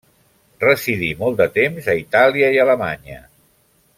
Residí molt de temps a Itàlia i Alemanya.